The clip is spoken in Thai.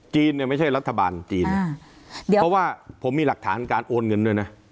เนี่ยไม่ใช่รัฐบาลจีนเพราะว่าผมมีหลักฐานการโอนเงินด้วยนะ